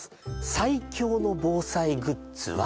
「最強の防災グッズは」